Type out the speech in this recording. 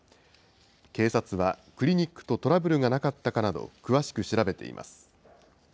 警察は、クリニックとトラブルがなかったかなど、詳しく調べています。